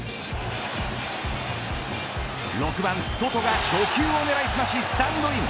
６番ソトが初球を狙いすましスタンドイン。